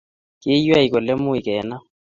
kiinywei kole much kenam